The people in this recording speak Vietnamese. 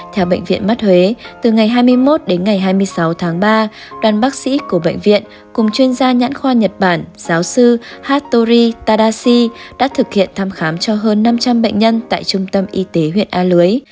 theo bệnh viện mắt huế từ ngày hai mươi một đến ngày hai mươi sáu tháng ba đoàn bác sĩ của bệnh viện cùng chuyên gia nhãn khoa nhật bản giáo sư hattori tadashi đã thực hiện thăm khám cho hơn năm trăm linh bệnh nhân tại trung tâm y tế huyện a lưới